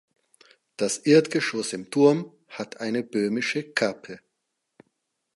Das Erdgeschoss im Turm hat eine Böhmische Kappe.